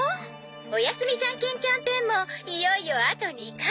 「おやすみジャンケンキャンペーンもいよいよあと２回！」